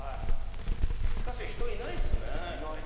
しかし人いないですね。